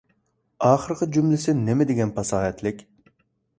ئاخىرقى جۈملىسى نېمىدېگەن پاساھەتلىك!